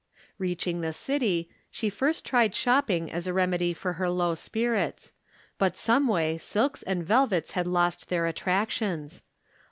Reaching the city, she first tried shopping as a remedy for her low spirits. But someway sUks and velvets had lost their attractions.